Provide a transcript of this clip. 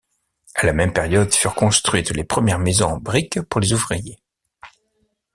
À la même période furent construites les premières maisons en brique pour les ouvriers.